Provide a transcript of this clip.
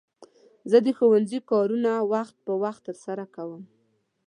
زه د ښوونځي کارونه وخت په وخت ترسره کوم.